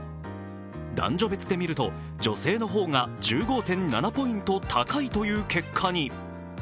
男女別でみると女性の方が１５．７ポイント高いという結果に。